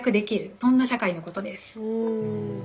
そんな社会のことです。